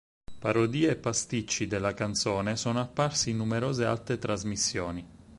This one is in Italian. Parodie e pasticci della canzone sono apparsi in numerose altre trasmissioni.